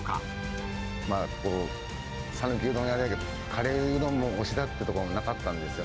まあ、讃岐うどん屋だけど、カレーうどんも推しだって所、なかったんですよ。